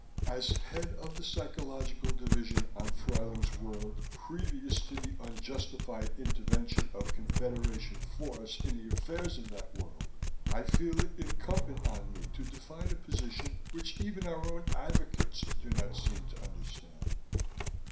As head of the Psychological Division on Fruyling's World previous to the unjustified intervention of Confederation force in the affairs of that world, I feel it incumbent on me to define a position which even our own advocates do not seem to understand.